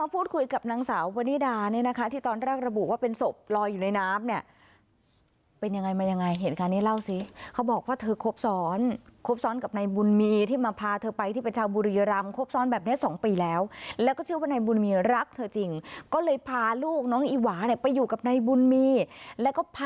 ผู้เข้ากอดน้องอิหวะและนางสาววันนิดาค่ะ